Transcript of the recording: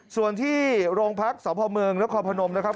ส่วนที่โรงพักษณ์สาวพ่อเมืองและความพนมนะครับ